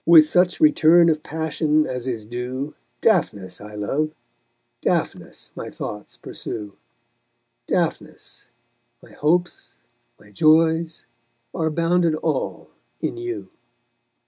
With such return of passion as is due, Daphnis I love, Daphnis my thoughts pursue, Daphnis, my hopes, my joys are bounded all in you_!